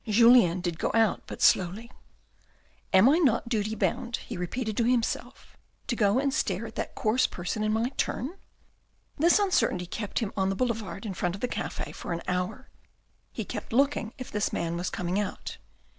Julien did go out, but slowly. " Am I not in duty bound, he repeated to himself, to go and stare at that coarse person in my turn ?" This uncertainty kept him on the boulevard in the front of the cafe for an hour ; he kept looking if his man was coming out.